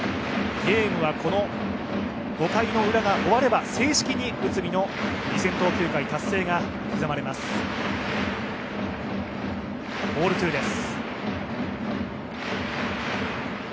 ゲームは５回ウラが終われば正式に内海の２０００投球回達成が刻まれます。